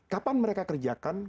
kapan mereka kerjakan